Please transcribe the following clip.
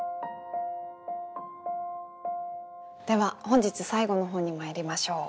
では本日最後の本にまいりましょう。